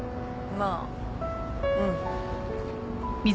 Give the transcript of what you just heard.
まあうん。